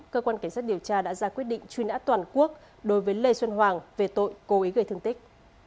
cơ quan cảnh sát điều tra đã ra quyết định truy nã toàn quốc đối với lê xuân hoàng về tội cố ý gây thương tích